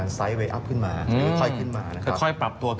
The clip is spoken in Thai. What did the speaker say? ค่อยปรับตัวขึ้นมาเรื่อยถูกไหมครับ